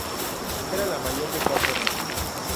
Era la mayor de cuatro hermanos.